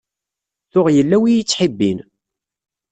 Tuɣ yella wi i y-ittḥibbin.